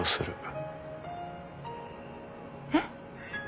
えっ？